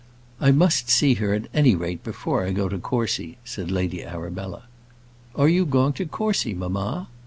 "I must see her, at any rate, before I go to Courcy." said Lady Arabella. "Are you going to Courcy, mamma?"